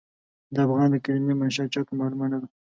د افغان د کلمې منشا چاته معلومه نه ده.